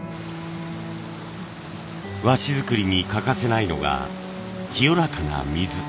和紙作りに欠かせないのが清らかな水。